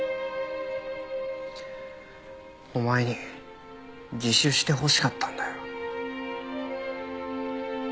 お前に自首してほしかったんだよ。